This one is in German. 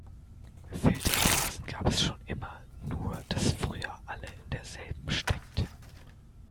Filterblasen gab es schon immer, nur das früher alle in der selben steckten.